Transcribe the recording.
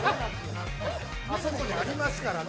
◆あそこにありますからね。